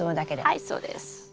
はいそうです。